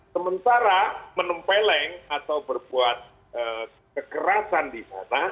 sementara menempeleng atau berbuat kekerasan di sana